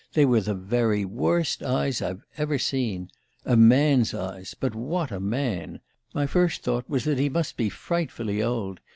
They were the very worst eyes I've ever seen: a man's eyes but what a man! My first thought was that he must be frightfully old.